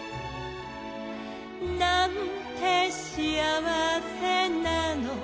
「なんてしあわせなの」